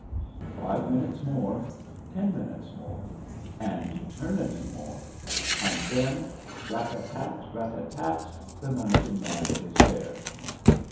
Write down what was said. Five minutes more, ten minutes more, an eternity more, and then, rat tat tat, rat tat tat, the mounted man is here.